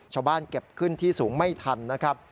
ชาวบ้านเก็บขึ้นที่สูงไม่ทันนะครับ